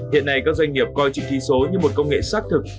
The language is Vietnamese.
hiện nay các doanh nghiệp coi chữ ký số như một công nghệ xác thực